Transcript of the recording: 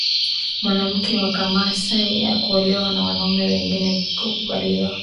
Mwanamke wa kimasai Kuolewa na wanaume wengi pia kunakubaliwa